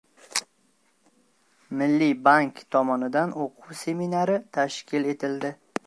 Milliy bank tomonidan o‘quv seminari tashkil etildi